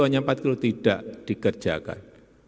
hanya empat puluh tidak dikerjakan